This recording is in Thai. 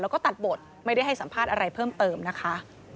แล้วก็ตัดบทไม่ได้ให้สัมภาษณ์อะไรเพิ่มเติมนะคะ